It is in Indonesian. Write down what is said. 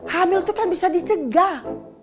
hamil itu kan bisa dicegah